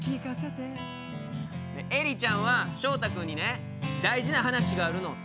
エリちゃんは翔太君にね「大事な話があるの」。